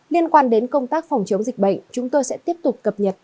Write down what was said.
liên quan đến công tác phòng chống dịch bệnh chúng tôi sẽ tiếp tục cập nhật